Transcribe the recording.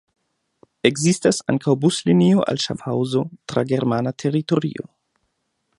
Ekzistas ankaŭ buslinio al Ŝafhaŭzo tra germana teritorio.